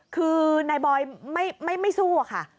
คือนายบอยไม่สู้อะค่ะ